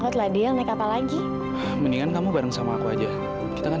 sampai jumpa di video selanjutnya